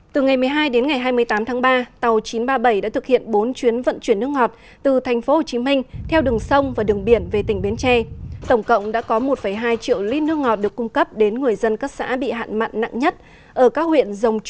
từ ngày một mươi hai đến ngày hai mươi tám tháng ba tàu chín trăm ba mươi bảy đã thực hiện bốn chuyến vận chuyển nước ngọt từ tp hcm theo đường sông và đường biển về tỉnh bến tre